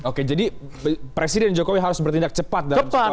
oke jadi presiden jokowi harus bertindak cepat dalam situasi ini